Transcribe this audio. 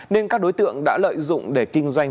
nên các đối tượng đã lợi dụng để kinh doanh